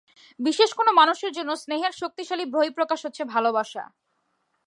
বিশেষ কোন মানুষের জন্য স্নেহের শক্তিশালী বহিঃপ্রকাশ হচ্ছে ভালোবাসা।